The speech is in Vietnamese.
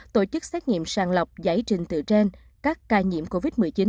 tổ chức xét nghiệm sàng lọc giải trình tự trên các ca nhiễm covid một mươi chín